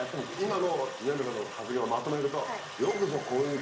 今の二宮さんの発言をまとめると。